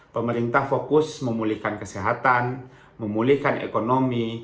pemerintah fokus memulihkan kesehatan memulihkan ekonomi